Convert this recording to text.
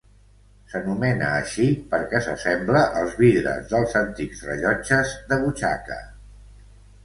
S'anomena així perquè s'assembla als vidres dels antics rellotges de butxaca.